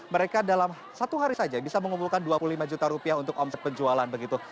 mereka dalam satu hari saja bisa mengumpulkan dua puluh lima juta rupiah untuk omset penjualan begitu